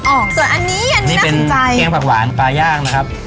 ออกส่วนอันนี้อันนี้น่าสนใจแกงผักหวานปลาย่างนะครับ